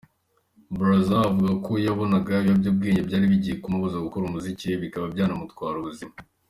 Brazza avuga ko yabonaga ibiyobyabwenge byari bigiye kumubuza gukora umuziki we, bikaba byanamutwara ubuzima.